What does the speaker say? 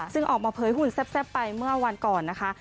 ซึ่งออกมาเผยหุ่นแซ่บไปเมื่อวันก่อนนะคะ